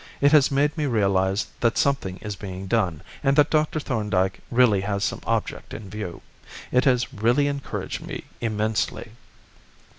It has made me realise that something is being done and that Dr. Thorndyke really has some object in view. It has really encouraged me immensely."